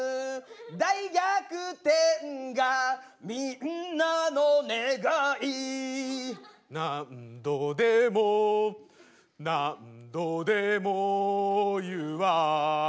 「大逆転がみんなの願い」「何度でも何度でも言うわ」